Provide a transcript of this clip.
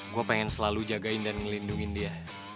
gue pengen selalu jagain dan ngelindungin dia